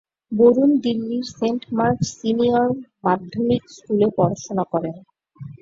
বরুণ দিল্লীর Saint Mark's senior মাধ্যমিক স্কুলে পড়াশুনা করেন।